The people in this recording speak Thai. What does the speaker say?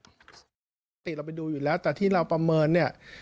ปกติเราไปดูอยู่แล้วแต่ที่เราประเมิน